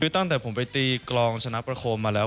คือตั้งแต่ผมไปตีกรองชนะประโคมมาแล้ว